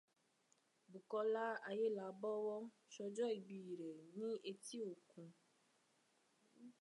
Bùkọ́lá Ayélabọ́wọ́ ṣ'ọjọ́ ìbí rẹ̀ ní etí òkun.